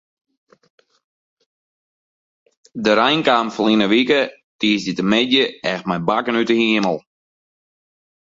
De rein kaam ferline wike tiisdeitemiddei echt mei bakken út de himel.